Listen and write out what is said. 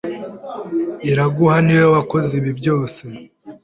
Iraguha niwe wakoze ibi byose.